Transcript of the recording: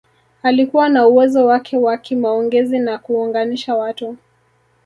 Alikuwa na uwezo wake wa kimaongezi na kuunganisha watu